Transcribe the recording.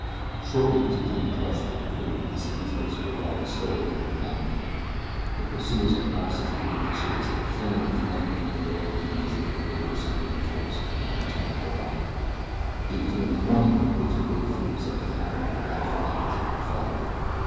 Shortly the two came in touch with the retreating Pesitistas who were riding slowly toward their mountain camp. Their pursuers had long since given up the chase, fearing that they might be being lured into the midst of a greatly superior force, and had returned to Cuivaca. It was nearly morning when Bridge and Billy threw themselves down upon the latter's blankets, fagged.